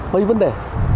mấy vấn đề